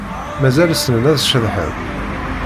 Mazal ssnen ad ceḍḥen?